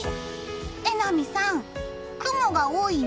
榎並さん、雲が多いよ。